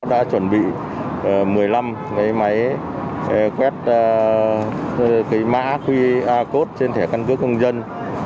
đã chuẩn bị một mươi năm cái máy quét mã qr code trên thẻ căn cước công dân